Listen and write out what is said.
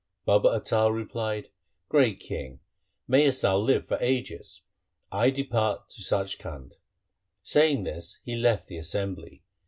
Baba Atal replied, ' Great king, mayest thou live for ages ! I depart to Sach Khand.' Saying this he left the assembly.